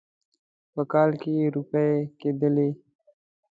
په کال کې روپۍ کېدلې.